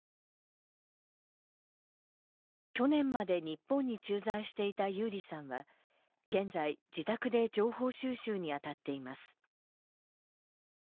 去年まで日本に駐在していたユーリさんは現在自宅で情報収集に当たっています。